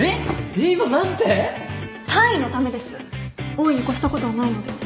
多いに越したことはないので。